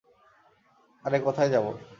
আরে, কোথায় যাব?